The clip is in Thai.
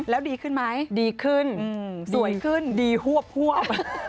แล้วดีขึ้นไหมดีขึ้นสวยขึ้นดีฮวบ